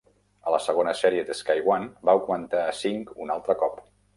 A la segona sèrie de Sky One, va augmentar a cinc un altre cop.